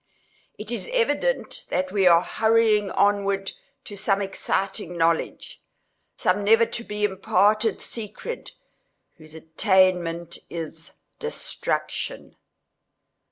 It is evident that we are hurrying onwards to some exciting knowledge—some never to be imparted secret, whose attainment is destruction.